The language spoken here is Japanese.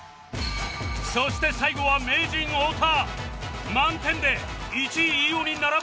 そして最後は名人太田